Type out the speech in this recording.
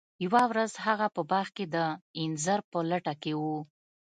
یوه ورځ هغه په باغ کې د انځر په لټه کې و.